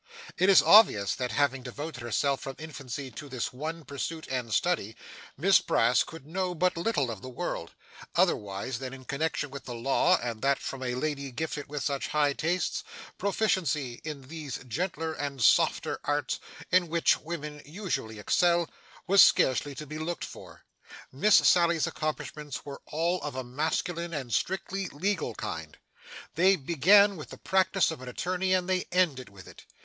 It is obvious that, having devoted herself from infancy to this one pursuit and study, Miss Brass could know but little of the world, otherwise than in connection with the law; and that from a lady gifted with such high tastes, proficiency in those gentler and softer arts in which women usually excel, was scarcely to be looked for. Miss Sally's accomplishments were all of a masculine and strictly legal kind. They began with the practice of an attorney and they ended with it.